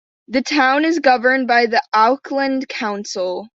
The town is governed by the Auckland Council.